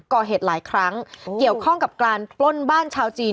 ก่อเหตุหลายครั้งเกี่ยวข้องกับการปล้นบ้านชาวจีน